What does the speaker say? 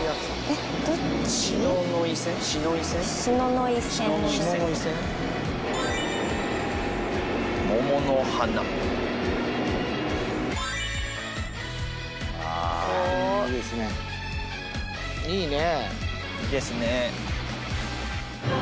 「いいですね」